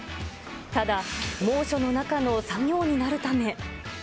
ただ、猛暑の中の作業になるため。